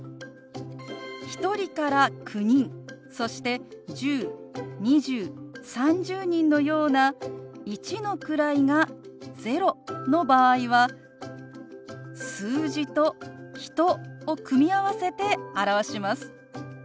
１人から９人そして１０２０３０人のような一の位が０の場合は「数字」と「人」を組み合わせて表します。